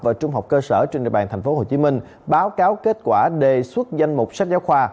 và trung học cơ sở trên địa bàn tp hcm báo cáo kết quả đề xuất danh mục sách giáo khoa